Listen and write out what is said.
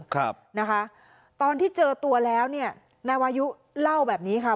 ครับนะคะตอนที่เจอตัวแล้วเนี่ยนายวายุเล่าแบบนี้ค่ะ